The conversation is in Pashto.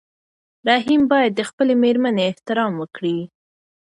رحیم باید د خپلې مېرمنې احترام وکړي.